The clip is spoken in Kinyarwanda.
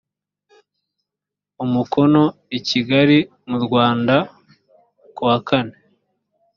umukono i kigali mu rwanda kuwa kane